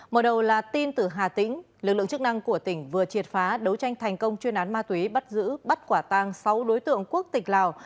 mở đầu là tin từ hà tĩnh lực lượng chức năng của tỉnh vừa triệt phá đấu tranh thành công chuyên án ma túy bắt giữ bắt quả tang sáu đối tượng quốc tịch lào